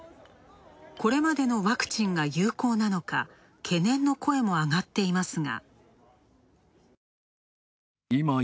これまでのワクチンが有効なのか懸念の声もあがっていますが。